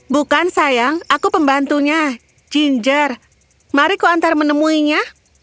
bukan sayang aku pembantunya ginger mari kuantar menemuinya